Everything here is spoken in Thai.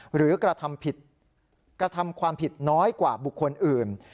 หรือกระทำความผิดน้อยกว่าบุคคลอื่น